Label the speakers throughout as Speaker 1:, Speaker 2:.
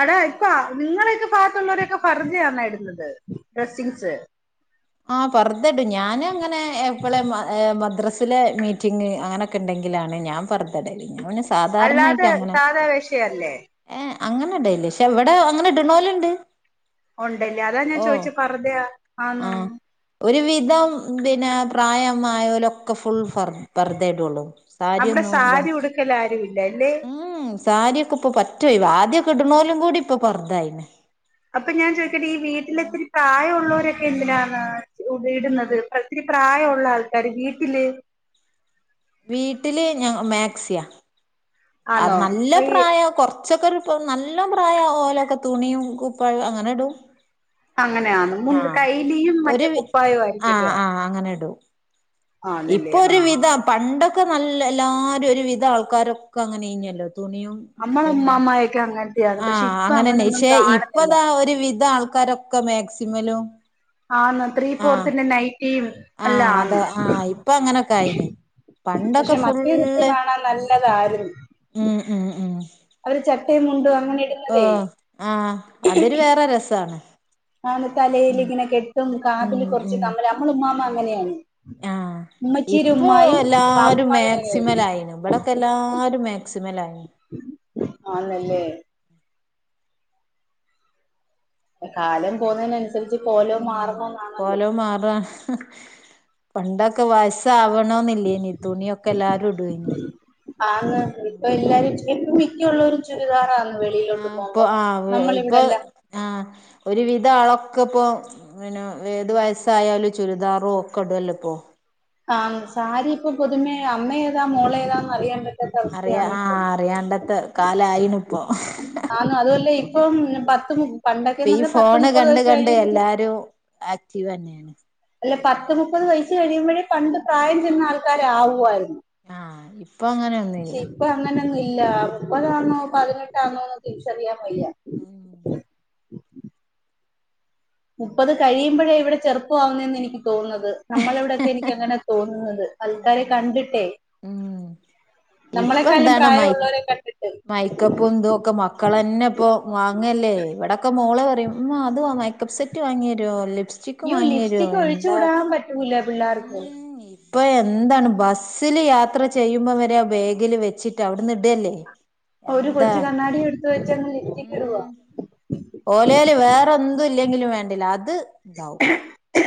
Speaker 1: അടാ ഇപ്പൊ നിങ്ങളെയക്കെ പാത്തുള്ളവരൊക്കെ പറഞ്ഞയന്ന ഇടുന്നത് ഡ്രസ്സിങ്സ്.
Speaker 2: ആഹ് പർദ്ദടും ഞാന് അങ്ങനെ എപ്പളേം ഏ മദ്രസിലെ മീറ്റിംഗ് അങ്ങനെ ക്കണ്ടെങ്കിലാണ് ഞാൻ പർദ്ദടല് സാധാരണായിട്ട്
Speaker 1: അല്ലാതെ
Speaker 2: അങ്ങനെ
Speaker 1: സാദാ വേഷയല്ലേ?
Speaker 2: ഏഹ് അങ്ങനെ ഇടേല്ല്യ പക്ഷെ ഇവിടെ അങ്ങനെ ഇടണോലുണ്ട്
Speaker 1: ഉണ്ടല്ലേ അതാ ഞാൻ
Speaker 2: ഓഹ്
Speaker 1: ചോയിഛെ പർദ്ദയാ
Speaker 2: ആഹ്
Speaker 1: ആന്നോന്ന്
Speaker 2: ഒരു വിധം പിന്നെ പ്രായമായലൊക്കെ ഫുൾ ഫർ പർദ്ദേ ഇടുള്ളൂ സാരിയൊന്നും ബ
Speaker 1: ക്കലാആരു ഇല്ലല്ലേ.
Speaker 2: ഉം സാരിയൊക്കെ ഇപ്പൊ പറ്റ ഓയ്‌വാ ആദ്യക്കെ ഇടുന്നോലും കൂടി ഇപ്പൊ പർദ്ദ ആയിണ്
Speaker 1: അപ്പൊ ഞാൻ ചോയ്ക്കട്ടെ ഈ വീട്ടിലത്തിരി പ്രായമുള്ളവരൊക്കെ എന്തിനാണ് ഇതിടുന്നത് ഒത്തിരി പ്രായമുള്ള ആൾക്കാര് വീട്ടില്
Speaker 2: വീട്ടില് ഞ മാക്സിയാ അ
Speaker 1: ആണോ
Speaker 2: നല്ല
Speaker 1: ഈ
Speaker 2: പ്രായം കൊറച്ചൊക്കെ ഒരു അപ്പ നല്ല പ്രായം ഓലൊക്കെ തുണിയും കൂപ്പായം അങ്ങനെ ഇടും
Speaker 1: അങ്ങനെയന്ന് മു
Speaker 2: ആഹ്
Speaker 1: കൈലിയും
Speaker 2: ഒരു
Speaker 1: മറ്റേ
Speaker 2: വി
Speaker 1: കുപ്പായു ആയിരിക്കല്ലോ ആന്നല്ലേ ആ
Speaker 2: ഇപ്പൊര് വിധം പണ്ടൊക്കെ നല്ല എല്ലാരു ഒരു വിധ ആൾക്കാരൊക്കങ്ങനെ യ്നല്ലൊ തുണിയും
Speaker 1: അമ്മളെ
Speaker 2: പിന്നെ
Speaker 1: ഉമ്മാമ്മയൊക്കെ അങ്ങനത്തെയാണ് പക്ഷെ
Speaker 2: ആഹ്
Speaker 1: ഇപ്പൊ
Speaker 2: അങ്ങനെന്നെ
Speaker 1: അങ്ങനെയൊന്നും
Speaker 2: ക്ഷേ
Speaker 1: കാണുന്നില്ല
Speaker 2: ഇപ്പതാ ഒരു വിധാൾക്കാരൊ ക്ക മേക്സിമലും
Speaker 1: ആന്ന് ത്രീ ഫോർത്തിന്റെ നൈറ്റീം
Speaker 2: ആഹ് അതൊ ആഹ് ഇപ്പൊ അങ്ങനൊക്കായിന്.
Speaker 1: പക്ഷെ മറ്റേതിട്ട് കാണാൻ നല്ലതാരു
Speaker 2: ഊം ഉം ഉം.
Speaker 1: അവര് ചട്ടേയ് മുണ്ടും അങ്ങനൊക്കെ
Speaker 2: ഓ ആഹ് അതൊരു വേറെ രസാണ്.
Speaker 1: ആന്ന്
Speaker 2: ഉം
Speaker 1: തലേലിങ്ങനെ കെട്ടും
Speaker 2: ഉം
Speaker 1: കാതില് കൊർച്ച്
Speaker 2: ഉം
Speaker 1: കമ്മലും അമ്മളുമ്മാമ അങ്ങനെയാണ്.
Speaker 2: ആഹ്
Speaker 1: ഉമ്മച്ചീടെ
Speaker 2: ഇപ്പോ
Speaker 1: ഉമ്മായും
Speaker 2: എല്ലാരും
Speaker 1: ബാപ്പുമ്മായും അങ്ങനെയായിരുന്നു
Speaker 2: മേക്സിമലായിന് വട ക്കെല്ലാരും മേക്സിമലായി.
Speaker 1: ആന്നല്ലേ. എ കാലം പോന്നേനൻസ്
Speaker 2: ഊം കോലൊം മാറ ഹ് പണ്ടൊക്ക വയസ്സാവണൊന്നില്ലേയ്നി തുണിയൊക്കെല്ലാരുടെയ്‌നി
Speaker 1: ആന്ന് ഇപ്പൊ എല്ലാരും ചെ മിക്ക ഉള്ളോരും ചുരിദാറാന്ന് വെളിയിലോട്ട്
Speaker 2: ആഹ് പ്പൊ
Speaker 1: പോകുമ്പോ
Speaker 2: ആഹ് പ്പൊ
Speaker 1: നമ്മളിവിടെല്ല
Speaker 2: ആഹ് ഒരുവിധാളൊക്ക പ്പൊ പിന ഏത് വയസ്സായാലു ചുരിദാറു ഒക്ക ടുഅല്ലോ പ്പോ.
Speaker 1: ആന്ന് സാരിപ്പൊ പുതുമെ
Speaker 2: ഉം
Speaker 1: അമ്മേതാ മോളേതാ ന്നറിയാമ്പറ്റ്
Speaker 2: അറിയ ആഹ് അറിയാണ്ടത്ത കാലായിണ്പ്പൊ.
Speaker 1: ആന്ന് അതുഅല്ലെ ഇപ്പം ഞ പത്തുമു പണ്ടൊക്കെന്നർഞ്ഞാ പത്ത്മുപ്പത് വയസ് കഴിയു
Speaker 2: അരോ ആക്റ്റീവെന്നാണ്
Speaker 1: അല്ല പത്ത് മുപ്പത് വയിസ് കഴിയുമ്പഴേ പണ്ട് പ്രായംചെന്ന ആൾക്കാരാവുവായിരുന്നു.
Speaker 2: ആഹ് ഇപ്പൊ അങ്ങനെയ
Speaker 1: ഷെ ഇപ്പ അങ്ങനൊന്നുല്ല മുപ്പതാന്നോ പതിനെട്ടാന്നോന്ന് തിരിച്ചറിയാം വയ്യാ മുപ്പത് കഴിയുമ്പഴേ ഇവിടെ ചെറുപ്പ ആവുന്നെന്നെനിക്ക് തോന്നുന്നത്. നമ്മളെവിടൊക്കെ എനിക്കങ്ങനാ തോന്നുന്നത്. അൽക്കാരെ കണ്ടിട്ടേ
Speaker 2: ഉം ഇപ്പൊ
Speaker 1: നമ്മളെക്കാളും
Speaker 2: എന്താണ് മൈ
Speaker 1: പ്രായമുള്ളവരെ കണ്ടിട്ട്
Speaker 2: മൈ ക്ക പ്പോന്തൊക്ക മക്കളെന്ന പ്പോ വാങ്ങല്ലേ വെടൊക്ക മോള് പറിയും മ്മാ അത് വാങ്ങായ് ക്കപ് സെറ്റ് വാങ്ങ്യെരോ ലിപ്സ്
Speaker 1: യ്യോ ലിപ്സ്റ്റിക്കൊഴിച്ചുടാമ്പറ്റൂല പിള്ളാർക്ക്
Speaker 2: പ്പൊ എന്താണ് ബസ്സില് യാത്ര ചെയ്യുമ്പ വരെ ബേഗില് വെച്ചിട്ട് അവിട്ന്ന്ടല്ലേ
Speaker 1: അ ഒരു കൊച്ചു കണ്ണാടി എടുത്ത് വെച്ചങ്ങ് ലിപ്സ്റ്റിക്കിടുവ
Speaker 2: ഉം ഓലേല് വേറെന്തുല്ലെങ്കിലും വേണ്ടില്ല അത് ണ്ടാവും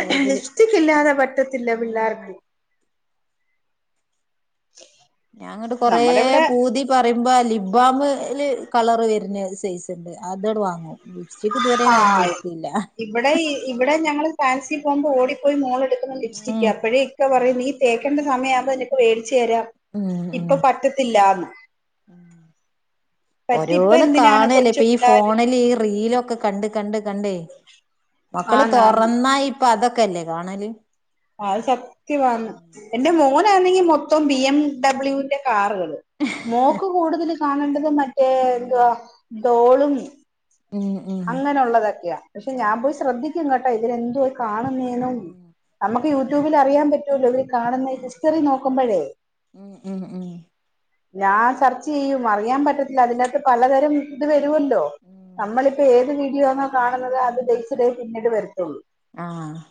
Speaker 2: ബേഗില്
Speaker 1: റ്റിക്കില്ലാതെ പറ്റത്തില്ല പിള്ളേർക്ക് [inaudible]
Speaker 2: ഞാങ്ങട്ട് കൊറേ
Speaker 1: നമ്മുടെ ഇവിടെ
Speaker 2: പൂതി പ്പറീമ്പ ലിബ്ബാമ് ല് കളറ് വരുന്ന ഒരു സൈസ്ണ്ട് അതട് വാങ്ങു ലിപ്സ്റ്റിക് ത് വരെ വാങ്ങി ഒട്ത്തീല്ല
Speaker 1: ബടെ ഇ ഇബടെ ഞങ്ങള് ഫാൻസി പോമ്പോടിപ്പോയി മോളെടുക്കുന്ന
Speaker 2: ഉം
Speaker 1: ലിപ്സ്റ്റിക്കപ്പഴേ ഇക്ക പറയും നീ തേ ക്കണ്ട സമയാമ്പോ നിനക്ക് വേടിച്ചു തരാം
Speaker 2: ഉം ഉം
Speaker 1: ഇപ്പൊ പറ്റത്തില്ലാന്ന് പറ്റി ഇപ്പൊ
Speaker 2: ഓരോന്ന്
Speaker 1: എന്തിനാണ്
Speaker 2: കാണല്ലേ
Speaker 1: കൊച്ചു
Speaker 2: പ്പീ
Speaker 1: പിള്ളേര്
Speaker 2: ഫോണിലീ റീലൊക്കെ കണ്ട് കണ്ട് കണ്ടേ മക്കള്
Speaker 1: ആന്നാന്ന്
Speaker 2: തൊറന്നാ ഇപ്പതൊക്കല്ലെ കാണല്
Speaker 1: അഅ് സത്യവാന്ന്.
Speaker 2: ഉം
Speaker 1: എന്റെ മോനാന്നെങ്കി മൊത്തം ബി എം ഡബ്ല്യൂന്റെ കാറുകള് മോക്ക് കൂടുതല് കാണണ്ടത് മറ്റേ എന്തവാ ഡോളും
Speaker 2: ഊം
Speaker 1: അങ്ങനൊള്ളതൊക്കെയ പക്ഷെ ഞാംപോയി ശ്രദ്ധിക്കും കേട്ടോ ഇവരെന്തുവാ കാണുന്നേന്നും [unintelligible] പ്പ യൂടൂബിലറിയാ പറ്റൂല്ലോ ഇവര് കാണുന്നെ ഹിസ്റ്റെറി നോക്കുമ്പഴേ
Speaker 2: ഉം ഉം
Speaker 1: ഞാൻ സെർച്ചുചെയ്യും അറിയാൻ പറ്റത്തില്ല അതിനകത്ത് പലതരം ഇത് വരുവല്ലോ
Speaker 2: ഉം
Speaker 1: നമ്മളിപ്പോ ഏത് വീഡിയോ ആണോ കാണുന്നത് അത് ബേസ്ഡേ പിന്നീട് വരത്തുള്ളൂ
Speaker 2: ആഹ്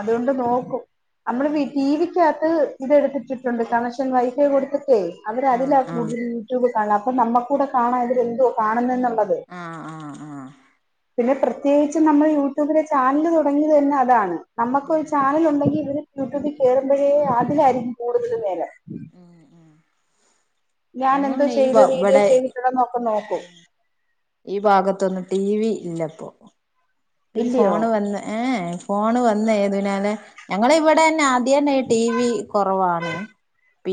Speaker 1: അതുകൊണ്ട് നോക്കും നമ്മള് ടിവിക്കാത്ത് ഇതെടുത്തിട്ടിട്ടുണ്ട് കണക്ഷൻ വൈഫൈ കൊടുത്തിട്ടേ അവര്
Speaker 2: ആഹ്
Speaker 1: അതിലാ
Speaker 2: ആഹ്
Speaker 1: കൂടുതൽ യൂട്യൂബ് കാണാം അപ്പൊ നമ്മക്കും കൂടെ കാണാം ഇവരെന്തുവ കാണുന്നേ ന്നുള്ളത്
Speaker 2: ആഹ് ആഹ്
Speaker 1: പിന്നെ പ്രത്യേകിച്ചും നമ്മൾ യൂട്യൂബിലെ ചാനല് തുടങ്ങിയത് തന്നെ അതാണ് നമുക്ക് ഒരു ചാനൽ ഉണ്ടെങ്കിൽ ഇവര് യൂട്യൂബിൽ കേറുമ്പോഴേ അതിലായിരിക്കും കൂടുതൽ നേരം
Speaker 2: ആഹ്
Speaker 1: ഞാൻ
Speaker 2: ഞങ്ങൾ
Speaker 1: എന്തോ
Speaker 2: പിന്നെ ഈ
Speaker 1: ചെയ്ത് വീഡിയോ
Speaker 2: ഇവിടെ
Speaker 1: ചെയ്തിട്ടുണ്ടോഎന്നൊക്കെ നോക്കും
Speaker 2: ഈ ഭാഗത്തൊന്നും ടി വി ഇല്ലപ്പോ ഈ
Speaker 1: ഇല്ലയോ
Speaker 2: ഫോണ് തന്നെ ഫോണ് വന്ന ഏതിനാല് ഞങ്ങ ഇവിടെ തന്നെ ആ അന്നെ ടി വി കുറവാണ്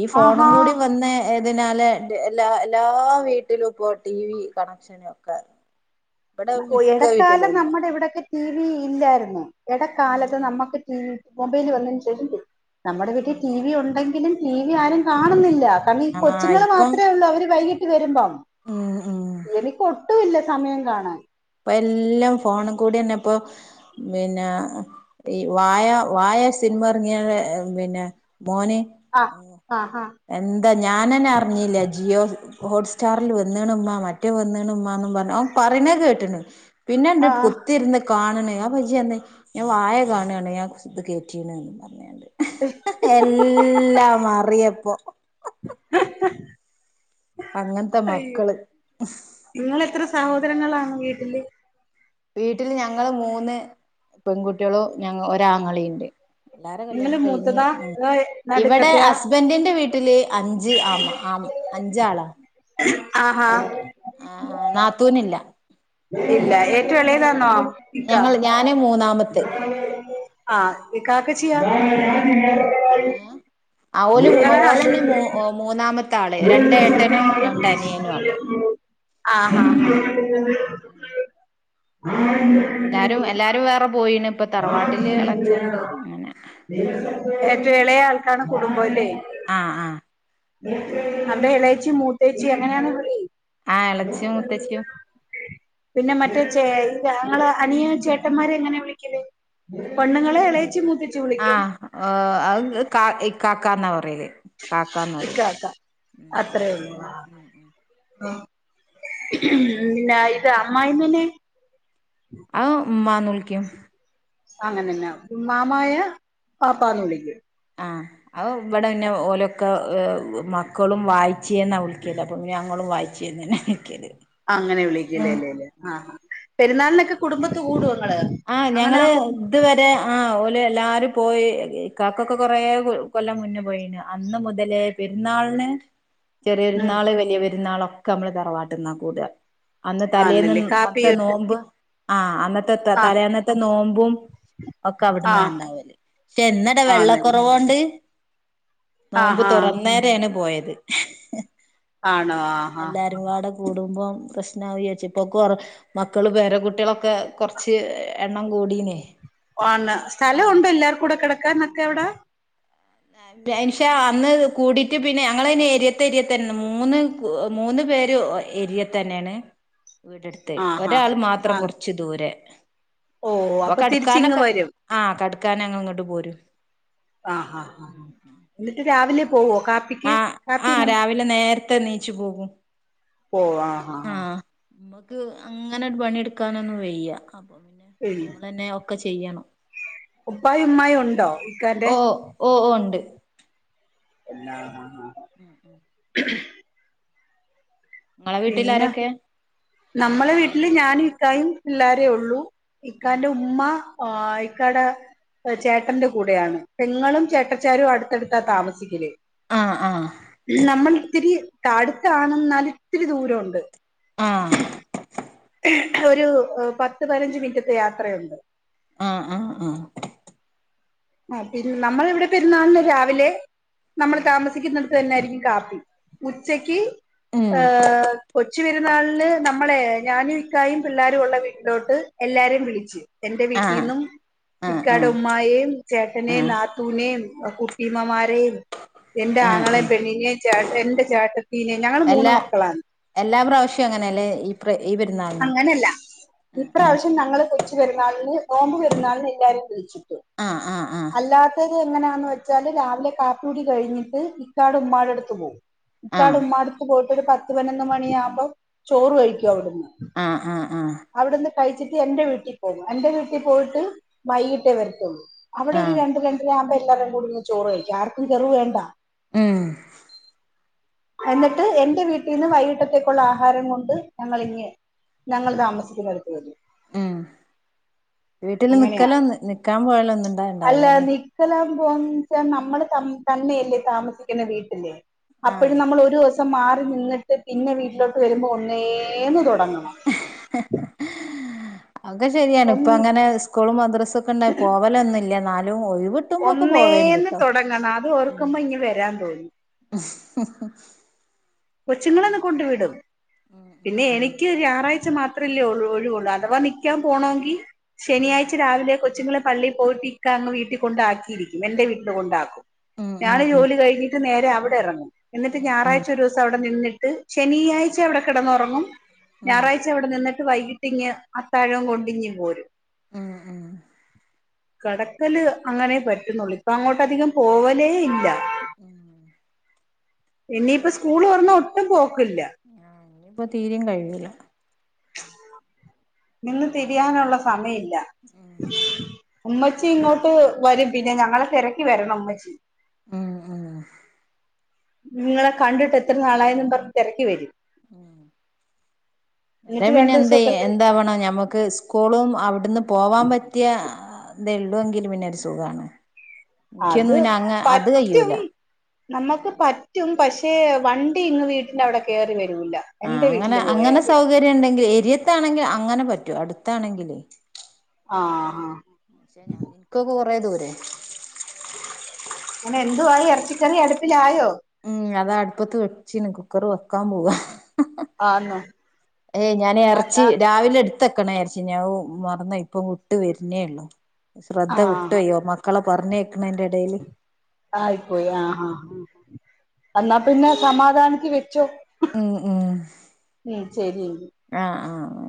Speaker 2: ഈ ഫോണും
Speaker 1: ആഹാ
Speaker 2: കൂടി വന്ന് ഏതിനാലെ എല്ലാ എല്ലാ വീട്ടിലും ഇപ്പോ ടി വി കണക്ഷനും ഒക്കെ ഇവിടെ
Speaker 1: ഓഹ്
Speaker 2: മിക്ക വീട്ടിലും
Speaker 1: എടക്കാലം
Speaker 2: ഇല്ല
Speaker 1: നമ്മുടെ ഇവിടൊക്കെ ടി വി ഇല്ലായിരുന്നു
Speaker 2: ഉം
Speaker 1: എടക്കാലത്ത്
Speaker 2: ഉം
Speaker 1: നമ്മുക്ക് ടി വി മൊബൈല് വന്നയ്ന് ശേഷം നമ്മുടെ വീട്ടിൽ
Speaker 2: ഉം
Speaker 1: ടി വി ഉണ്ടെങ്കിലും ടി വി ആരും കാണുന്നില്ല കാരണം ഈ
Speaker 2: ആഹ്
Speaker 1: കൊച്ചുങ്ങൾ
Speaker 2: ഇപ്പം
Speaker 1: മാത്രമേ ഉള്ളൂ അവര് വൈകീട്ട് വരുമ്പം
Speaker 2: ഉം ഉം
Speaker 1: എനിക്ക് ഒട്ടും ഇല്ല സമയം കാണാൻ
Speaker 2: ഇപ്പ എല്ലാം ഫോണി കൂടി തന്നെ ഇപ്പൊ പിന്നെ ഈ വാഴ വാഴ സിനിമ ഇറങ്ങിയെ പിന്നെ മോന്
Speaker 1: ആ ആഹ് ആഹ്
Speaker 2: എന്താ ഞാനന്നെ അറിഞ്ഞില്ല ജിയോ ഹോട്ട് സ്റ്റാറിൽ വന്നേണുമ്മാ മറ്റേ വന്നേണുമ്മാ ന്നു പറഞ്ഞു അവൻ പറയണ കേട്ട് ട്ട്ണ് പിന്നെണ്ട്
Speaker 1: ആ
Speaker 2: പു കുത്തിരുന്ന് കാണ് ണ് അപജിർഞ്ഞി ഞാൻ വായ കാണാണ് ഞഇത് കേറ്റീണ്ന്ന് എല്ലാംമറിയപ്പൊ.
Speaker 1: [inaudible]
Speaker 2: അങ്ങൻത്തെ മക്കള്.
Speaker 1: നിങ്ങെത്ര സഹോദരങ്ങളാണ് വീട്ടില്.
Speaker 2: വീട്ടില് ഞങ്ങള് മൂന്ന് പെങ്കുട്ടിയളോ ഞങ്ങ ഒരാങ്ങളിണ്ട്. എല്ലാരെ
Speaker 1: നിങ്ങള്
Speaker 2: കല്യാണം കഴിഞ്ഞ്
Speaker 1: മൂത്തതാ
Speaker 2: ആഹ്
Speaker 1: അതോ
Speaker 2: ഇവിടെ
Speaker 1: നടുക്കത്തെയാ
Speaker 2: ഹസ്ബൻറിന്റെ വീട്ടിൽ. ട്ടില്. അഞ്ച് ആമ ആം. അഞ്ചാളാ
Speaker 1: ആഹാ
Speaker 2: ഏഹ്. ആഹ് നാത്തൂനില്ല..
Speaker 1: ഇല്ല ഏറ്റവും എളേതാന്നോ ഇക്ക.
Speaker 2: ഞങ്ങൾ ഞാന് മൂന്നാമത്തെ
Speaker 1: ആഹ് ഇകാക്കചിയ..
Speaker 2: ഓല് ഓലന്ന്‌ മു മൂന്നാമ ആള്
Speaker 1: [unintelligible] ആഹ് ആഹ്
Speaker 2: എല്ലാരും എല്ലാരും വേറെ പോയിണ് ഇപ്പ തറവാട്ടില് എളച്ചണ്ട് അങ്ങനെ..
Speaker 1: ഏറ്റൊ എളേ ആൾക്കാണ് കുടുംബംല്ലേ..
Speaker 2: ആഹ് ആഹ്
Speaker 1: അപ്പൊ ഇളേച്ചി മൂത്തേച്ചി എങ്ങനെയാണ്.
Speaker 2: ആഹ് എളച്ചിയും മുത്തച്ചിയും
Speaker 1: [unintelligible] പിന്നെ മറ്റേ ചേ ഇ ആങ്ങള അനിയെ ചേട്ടന്മാരെ എങ്ങനെവിളിക്കല്.. പൊണ്ണുങ്ങളെ എളയിച്ചി മൂത്തച്..
Speaker 2: ആഹ് ഓ അഹ് കാ ഇക്കക്കന്നാ പറയല്.. കാക്കാന്ന് പറയും
Speaker 1: ഇക്കക്ക
Speaker 2: ഉം
Speaker 1: അത്രഒള്ളു..
Speaker 2: ഉം ഉം
Speaker 1: പിന്നെ അയില് അമ്മായ്മ്മന്നേ..
Speaker 2: ആഹ് മ്മാന്ന് വിളിക്കും..
Speaker 1: അങ്ങനെന്നാ ഉമ്മാമായേ. വാപ്പാന്ന് വിളിക്യും..
Speaker 2: അവ് ഇവിടെ ന്നെ ഓലൊക്കെ ഹ് മക്കളും വായ്ചേന്നാ വിളിക്കല്. അപ്പോപിന്നെ ഞങ്ങളും വായി.. ചിന്നെനെ വിളിക്കല്.
Speaker 1: അങ്ങനെ വിളിക്കല് ല്ലേ? അ
Speaker 2: ഉം
Speaker 1: പെരുന്നാള്നൊക്കെ കുടുംബത്ത് കൂടു ങ്ങള്..
Speaker 2: ആഹ് ഞങ്ങള്.. ഇതുവരെ ആ ഓല് എല്ലാരും പോയി കാക്കൊക്കെ കൊറേ കൊല്ലം മുന്നേ പോയിണ് അന്ന് മുതലേ.. പെര്ന്നാള്ന്..
Speaker 1: [unintelligible]
Speaker 2: ചെറിയരുന്നാള് വലിയ പെരുന്നാളൊ ക്കെമ്മള് തറവാട്ട്ന്നാ കൂട്അഹാ അന്ന് തലേന്ന്
Speaker 1: ആന്നല്ലേ കാപ്പി
Speaker 2: നോറ്റ നോമ്പ് ആഹ അന്നത്തെ..
Speaker 1: ആഹ്
Speaker 2: തലെന്നത്തെ നോമ്പും ഒക്കെ
Speaker 1: ആഹ്
Speaker 2: അവിടുന്നണ്ടാവല്.. റ്റെന്നടാ വെള്ള
Speaker 1: ആന്നെ
Speaker 2: കൊറവോണ്ട്.. നോമ്പ്
Speaker 1: ആഹാ
Speaker 2: തൊറന്നേരെണ് പോയത്. ഹ്ഹ്..
Speaker 1: ആണോ? ആഹാ ഹാ
Speaker 2: പരിവാട കൂടുമ്പോ പ്രശ്നവുചിട്ട് പ്പൊകൊർ മക്കള് പേര കുട്ട്യോളൊക്കെ കൊറച്ച് എണ്ണം കൂടീന്.
Speaker 1: വാണ് സ്ഥലംഉണ്ടൊ എല്ലാർകൂടെ കെടക്കാൻ നൊക്കെവടെ?
Speaker 2: ട്ടെൻഷാ അന്ന് കൂടിട്ട് പിന്നെ ഞങ്ങള് എരിയത്ത് എരിയത്തന്നെ മൂന്ന് മൂന്ന് പേര്ഓ ഏരിയ തന്നെണ്.
Speaker 1: [unintelligible]
Speaker 2: വീടെടുത്ത്
Speaker 1: ആഹാ
Speaker 2: ഒരാൾ മാത്രം
Speaker 1: ആഹ്
Speaker 2: കൊറച്ച് ദൂരെ.
Speaker 1: ഓ
Speaker 2: അപ്പൊ കെട്ക്കാനൊക്കെ
Speaker 1: അവരും
Speaker 2: ആ കട്ക്കാനങ്ങള്ങ്ങട്ട്പോരും
Speaker 1: ആഹാ ഹാ
Speaker 2: [unintelligible]
Speaker 1: ന്നിട്ട് രാവിലെപോവോ കാപ്പി
Speaker 2: ആഹ് ആഹ്
Speaker 1: എങ്ങനെ
Speaker 2: രാവിലെ നേരത്തെന്നിച്ചുപോകും.
Speaker 1: പോവാ, ആഹാ.
Speaker 2: ആഹ് മ്മക്ക് അങ്ങനെയൊരു പണിയെടുക്കാനൊന്നും വയ്യ. അപ്പൊപിന്നെ നമ്മളെന്നേ ഒക് ഒക്കെ ചെയ്യണം.
Speaker 1: ഉപ്പായും, ഉമ്മായും ഉണ്ടോ? ഇക്കാന്റെ
Speaker 2: ഓഹോ ഓഹൊ ഉണ്ട്. ഉം ഉം
Speaker 1: [unintelligible]
Speaker 2: നിങ്ങളെ വീട്ടിൽ
Speaker 1: പിന്നെ,
Speaker 2: ആരൊക്കെ
Speaker 1: നമ്മടെവീട്ടില് ഞാനും ഇക്കയും പിള്ളാരേള്ളൂ. ഇക്കാന്റെ ഉമ്മ, ആഹ് ഇക്കാടെ ചേട്ടന്റെ കൂടെയാണ്. പെങ്ങളും, ചേട്ടച്ചാരും, അടുത്തടുത്താ താമസിക്കല്
Speaker 2: ആഹ് ആഹ്
Speaker 1: നമ്മളിത്തിരി താഅടുത്താണ്ന്നാലും ഇത്തിരി ദൂരുണ്ട്.
Speaker 2: ആഹ്
Speaker 1: [unintelligible] [unintelligible] ഓരു പത്തുപതിനഞ്ച് മിന് റ്റത്തെ യാത്രയുണ്ട്.
Speaker 2: ആഹ് ആഹ് ആഹ്
Speaker 1: ആഹ് നമ്മളിവിടെ പെരുന്നാളിനു രാവിലെ നമ്മള്
Speaker 2: ആഹ്
Speaker 1: താമസിക്കുന്നിടുത്തു തന്നെയായിരിക്കും കാപ്പി. ഉച്ചക്ക്...
Speaker 2: ഉം
Speaker 1: ആഹ് കൊച്ചു പെരുന്നാളില് നമ്മളെ ഞാനും ഇക്കായും പിള്ളേരുമുള്ള വീട്ടിലോട്ട് എല്ലാരെയും വിളിച്ച്. എന്റെ
Speaker 2: ആഹ്
Speaker 1: വീട്ടീന്നും.
Speaker 2: ആഹ്
Speaker 1: ഇക്കാടെ
Speaker 2: ആഹ്
Speaker 1: ഉമ്മായേം,
Speaker 2: ആഹ്
Speaker 1: ചേട്ടനേം,
Speaker 2: ആഹ്
Speaker 1: നാത്തൂനെയും, കുട്ടീമ്മമാരെയും, എന്റെ
Speaker 2: ആഹ്
Speaker 1: ആങ്ങളയും, പെണ്ണിനെയും, ചേട്ടന്റെയും എന്റെ ചേട്ടത്തീയും, ഞങ്ങള്
Speaker 2: എല്ലാ
Speaker 1: മൂന്നുമക്കളാണ്.
Speaker 2: എല്ലാ പ്രാവശ്യവുങ്ങനെയല്ലേ? [unintelligible]
Speaker 1: അങ്ങനല്ല ഇപ്രാവശ്യം ഞങ്ങളു കൊച്ചു പെരുന്നാളിന്. നോംമ്പുപെരുന്നാളിനു എല്ലാവരേയും വിളിച്ചിട്ട്
Speaker 2: ആഹ് ആഹ് ആഹ്
Speaker 1: അല്ലാത്തത് എങ്ങനാന്ന് വെച്ചാല് രാവിലെ കാപ്പികുടി കഴിഞ്ഞിട്ട് ഇക്കാടെ ഉമ്മാടെട്ത്തുപോകും. ക്കാടെ
Speaker 2: ആഹ്
Speaker 1: മ്മാടെത്ത് പോയിട്ടൊരു പത്തുപതിനൊന്നു മണിയാകുമ്പ ചോറു കഴിക്ക്യു അവിട്ന്ന്.
Speaker 2: ആഹ് ആഹ് ആഹ്.
Speaker 1: അവിടന്ന് കഴിച്ചിട്ട് എന്റെ വീട്ടി പോകും എന്റെ വീട്ടി പോയിട്ട് വൈകീട്ടേ വരത്തുള്ളൂ. അവിടെയൊരു
Speaker 2: ആഹ്
Speaker 1: രണ്ടു രണ്ടരാമ്പ എല്ലാരുംകൂടിയിന്ന് ചോറുകഴിക്ക്യ ആർക്കും കെറുവേണ്ട.
Speaker 2: ഉം.
Speaker 1: എന്നിട്ട് എന്റെ വീട്ടീന്ന് വൈകിട്ടത്തേക്കുള്ള ആഹാരം കൊണ്ട് ഞങ്ങളിങ്ങ്. ഞങ്ങള് താമസിക്കുന്നിടത്തു വരും.
Speaker 2: ഉം വീട്ടില്
Speaker 1: അങ്ങനെയാ
Speaker 2: നിക്കലൊന്ന് നിക്കാ പോയലൊന്നുണ്ടായ് ണ്ടാവൂലലേ.
Speaker 1: ചലാം പോം ച്ച നമ്മള് തം തന്നെയല്ലേ താമസിക്കുന്ന വീട്ടില്. അപ്പഴും
Speaker 2: ആഹ്
Speaker 1: നമ്മളൊരു ദ്വസം മാറി നിന്നിട്ട് പിന്നെ വീട്ടിലോട്ടുവരുമ്പൊ ഒന്നേന്നു തൊടങ്ങണം.
Speaker 2: അ ഒക്കെ ശര്യാണ്
Speaker 1: ഒ
Speaker 2: പ്പങ്ങനെ സ് കൂളും മദ്രസ്സൊക്കെണ്ടായി പോവലെന്നല്ല ന്നാലും ഒഴിവ് കിട്ടുമ്പോക്കെ പോവേണ്ട്
Speaker 1: ഒന്നേന്ന്
Speaker 2: ട്ടോ
Speaker 1: തൊടങ്ങണം
Speaker 2: ഉം
Speaker 1: അതോർക്കുമ്പ ഇങ്ങ് വരാ തോന്നും.
Speaker 2: [inaudible]
Speaker 1: കൊച്ചുങ്ങളെയന്ന് കൊണ്ടുവിടും
Speaker 2: ഉം
Speaker 1: പിന്നെ
Speaker 2: ഉം
Speaker 1: എനിക്ക്. ക്ക് രു ഞാറാഴ്ച മാത്രല്ലേ ഒഴ് ഒഴിവുള്ളൂ അഥവാ നിക്ക്യാ പോണോങ്കി
Speaker 2: ഉം
Speaker 1: ശനിയാഴ്ച രാവിലെ കൊ ച്ച്ങ്ങളെ പള്ളി പോയിട്ട് ഇക്കാങ്ങ് വീട്ടി കൊണ്ടാക്കിയിരിക്കും എന്റെ വീട്ട്ല് കൊണ്ടാക്കും.
Speaker 2: ഉം ഉം
Speaker 1: ഞാന്
Speaker 2: ഉം
Speaker 1: ജോലി കഴിഞ്ഞിട്ട് നേരെ അവിടെ എറങ്ങും എന്നിട്ട്
Speaker 2: ഉം ഉം
Speaker 1: ഞായറാഴ്ച ഒരു ദിവ സവിടെ നിന്നിട്ട് ശനിയാഴ്ചയവിടെ കെടന്നൊറങ്ങും
Speaker 2: ഉം
Speaker 1: ഞായറാഴ് ച അവിടെ നിന്നിട്ട് വൈകിട്ടിങ്ങ് അത്താഴവും കൊണ്ടിങ്ങുപോരും.
Speaker 2: ഉം ഉം.
Speaker 1: കടക്കല് അങ്ങനെ പറ്റുന്നുള്ളൂ ഇപ്പ അങ്ങോട്ടധികം പോവലേയില്ല.
Speaker 2: ഉം.
Speaker 1: ഇനിയിപ്പ സ്കൂള് തൊർന്നാ ഒട്ടും പോക്ക്ല്ല.
Speaker 2: ആഹ് ഞ്ഞ്പ്പ തീരിം കഴിയൂല.
Speaker 1: നിന്ന് തിരിയാനുള്ള സമയല്ല.
Speaker 2: ഉം
Speaker 1: ഉമ്മച്ചി ഇങ്ങോട്ട് വരും പിന്നെ ഞങ്ങളെ തെരക്കി വരണം മ്മച്ചി.
Speaker 2: ഉം ഉം.
Speaker 1: ങ്ങളെ കണ്ടിട്ട് എത്ര നാളായിന്നു പർഞ്ഞ് തെര്ക്കി വരും.
Speaker 2: ഉം ല്ലെ
Speaker 1: എന്നിട്ട്
Speaker 2: പിന്നെ
Speaker 1: രണ്ടു
Speaker 2: എന്തയ്
Speaker 1: ദിവസൊക്കെ
Speaker 2: എന്താവണം ഞമ്മക്ക് സ് കൂളും അവിട്ന്ന് പോവാ പറ്റ്യ തെള്ളൂ എങ്കില് പിന്നൊരു സുഖാണ്. ക്ക്യൊന്നും പിന്നെ അങ്ങ് അത് കയ്യൂല.
Speaker 1: നമ്മക്ക് പറ്റും പക്ഷേ വണ്ടി ഇങ്ങ് വീട്ടിന്റവിടെ കേറി വരൂല്ല.
Speaker 2: ആഹ്
Speaker 1: എന്റെ
Speaker 2: അങ്ങനെ
Speaker 1: വീട്ടില്
Speaker 2: അങ്ങന
Speaker 1: പോയാല്
Speaker 2: സൗകര്യണ്ടെങ്കില് എരിയത്താണെങ്കില് അങ്ങന പറ്റൂ അടുത്താണെങ്കില്.
Speaker 1: ആഹ് ആഹ്.
Speaker 2: പക്ഷെ ഞാന് ഇൻക്കൊക്കെ കൊറെ ദൂരെ.
Speaker 1: ങ്ങനെ എന്തുവായി എറച്ചിക്കറി അടുപ്പിലായോ.
Speaker 2: ഉം അതാ അട്പ്പത്ത് വെച്ചിന് കുക്കറ് വെക്കാ പോവാ.
Speaker 1: ആന്നോ
Speaker 2: ഏയ് ഞാന് എർച്ചി
Speaker 1: അതാ
Speaker 2: രാവിലെട് ത്തക്കണ ചാര്ച്ചിനി അഹ് മറന്നോയി പ്പ വിട്ട് വര്നേള്ളു. സ്രദ്ധ
Speaker 1: ആഹ
Speaker 2: വിട്ടോയ് മക്കളെ പർഞ്ഞേയ്ക്കണേന്റെടേല്.
Speaker 1: ആയിപ്പോയി ആഹ് ആഹ് ആ എന്നാ പിന്നെ സമാധാനത്തി വെച്ചോ.
Speaker 2: ഉം ഉം
Speaker 1: ഉം ശരി. [unintelligible]
Speaker 2: ആഹ് ആഹ്.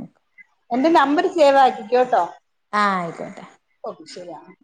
Speaker 1: എന്റെ നമ്പര് സേവാക്കിക്ക്യോ ട്ടോ.
Speaker 2: ആഹ് ആയ്ക്കോട്ടെ.
Speaker 1: ഓക്കെ ശര്യാണ്.